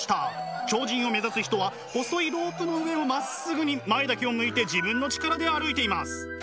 超人を目指す人は細いロープの上をまっすぐに前だけを向いて自分の力で歩いています。